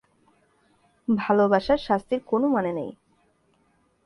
ভালোবাসার শাস্তির কোনো মানে নেই।